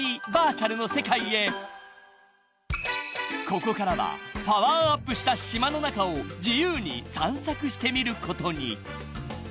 ［ここからはパワーアップした島の中を自由に散策してみることに］